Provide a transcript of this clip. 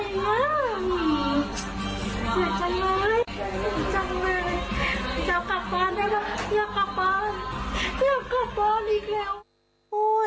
อยากกลับบ้านอยากกลับบ้านอยากกลับบ้านอีกแล้ว